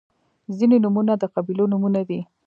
• ځینې نومونه د قبیلو نومونه دي.